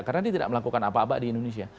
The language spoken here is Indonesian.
karena dia tidak melakukan apa apa di indonesia